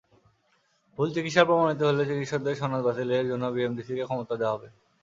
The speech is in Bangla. ভুল চিকিৎসা প্রমাণিত হলে চিকিৎসকদের সনদ বাতিলের জন্য বিএমডিসিকে ক্ষমতা দেওয়া হবে।